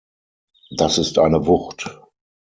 Das ist eine Wucht.